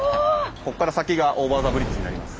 こっから先がオーバー・ザ・ブリッジになります。